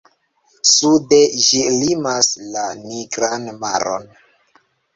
Sude ĝi limas la Nigran maron.